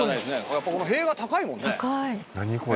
やっぱこの塀が高いもんね。